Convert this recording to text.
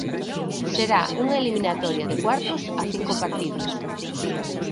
Será unha eliminatoria de cuartos a cinco partido.